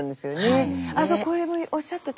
あっそうこれもおっしゃってた。